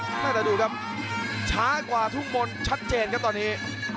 แต่ดูครับช้ากว่าทุ่งบนชัดเจนครับตอนนี้